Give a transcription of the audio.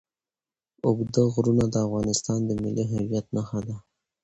اوږده غرونه د افغانستان د ملي هویت نښه ده.